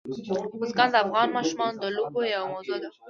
بزګان د افغان ماشومانو د لوبو یوه موضوع ده.